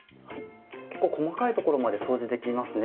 結構細かい所まで掃除できますね。